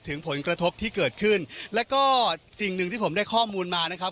ถึงผลกระทบที่เกิดขึ้นแล้วก็สิ่งหนึ่งที่ผมได้ข้อมูลมานะครับ